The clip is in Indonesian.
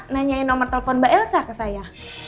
nanyain nomor telepon mbak elsa ke saya